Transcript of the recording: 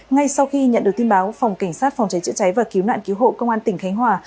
ngay sau khi nhận được tin báo phòng cảnh sát phòng cháy chữa cháy và cứu nạn cứu hộ công an tỉnh khánh hòa